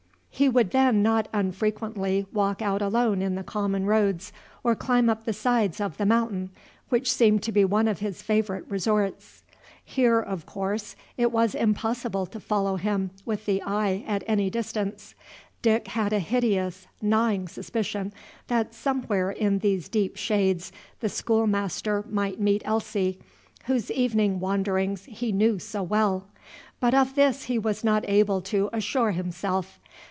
He would then not unfrequently walk out alone in the common roads, or climb up the sides of The Mountain, which seemed to be one of his favorite resorts. Here, of course, it was impossible to follow him with the eye at a distance. Dick had a hideous, gnawing suspicion that somewhere in these deep shades the schoolmaster might meet Elsie, whose evening wanderings he knew so well. But of this he was not able to assure himself.